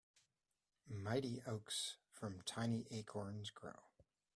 Mighty oaks from tiny acorns grow.